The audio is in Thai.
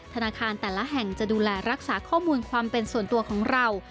ธนาคารแต่ละแห่งจะดูแลรักษาข้อมูลความเป็นส่วนตัวของเรา